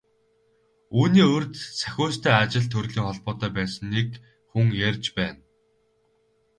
Үүний урьд Сахиустай ажил төрлийн холбоотой байсан нэг хүн ярьж байна.